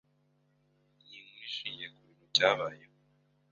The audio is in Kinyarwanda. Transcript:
Ninkuru ishingiye kubintu byabayeho.